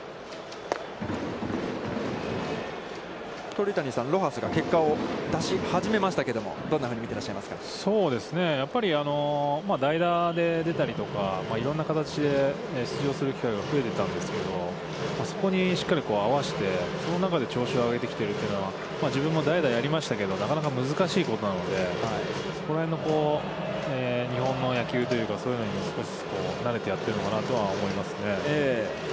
鳥谷さん、ロハスが結果を出し始めましたけども、どんなふうに見ていらっしゃいますか、やっぱり代打で出たりとかいろんな形で出場する機会が増えてきたんですけど、そこにしっかり合わせて、その中で調子を上げてきているというのは、自分も代打をやりましたけど、なかなか難しいことなので、そこら辺の日本の野球というか、そういうのに少しなれてやってるのかなとは思いますね。